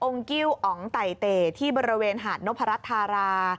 องค์กิ้วองค์ไตเตที่บริเวณหาดโนพระธารา